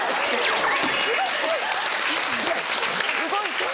動いて。